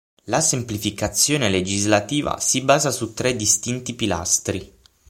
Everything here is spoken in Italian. La semplificazione legislativa si basa su tre distinti pilastri.